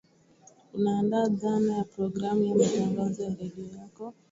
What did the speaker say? unaandaa dhana ya programu ya matangazo ya redio yako